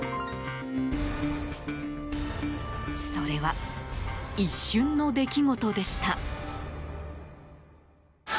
それは一瞬の出来事でした。